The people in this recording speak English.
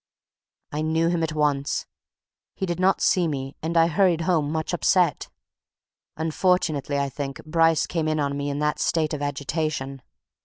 I knew him at once. He did not see me, and I hurried home much upset. Unfortunately, I think, Bryce came in upon me in that state of agitation.